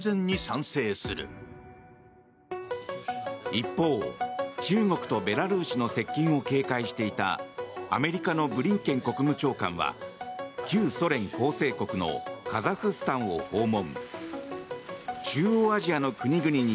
一方、中国とベラルーシの接近を警戒していたアメリカのブリンケン国務長官は旧ソ連構成国のカザフスタンを訪問。